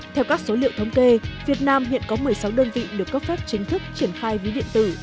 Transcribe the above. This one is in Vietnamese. theo các số liệu thống kê việt nam hiện có một mươi sáu đơn vị được cấp phép chính thức triển khai ví điện tử